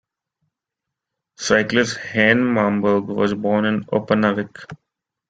Cyclist Hanne Malmberg was born in Upernavik.